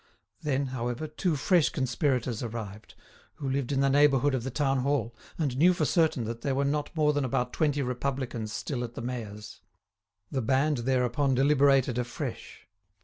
Then, however, two fresh conspirators arrived, who lived in the neighbourhood of the Town Hall, and knew for certain that there were not more than about twenty Republicans still at the mayor's. The band thereupon deliberated afresh.